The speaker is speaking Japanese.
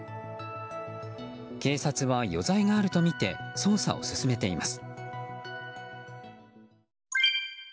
警察は余罪があるとみて捜査を進めています。